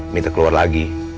minta keluar lagi